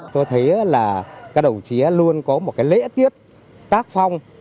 tôi thấy là các đồng chí luôn có một cái lễ tiết tác phong